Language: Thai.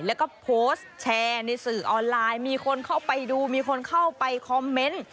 แล้วก็โพสต์แชร์ในสื่อออนไลน์มีคนเข้าไปดูมีคนเข้าไปคอมเมนต์